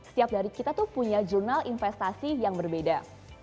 setiap dari kita tuh punya jurnal investasi yang berbeda